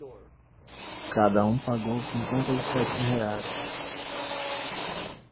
Cada um pagou cinquenta e sete reais.